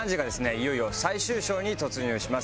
いよいよ最終章に突入します。